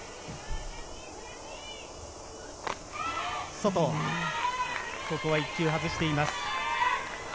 外、ここは一球外しています。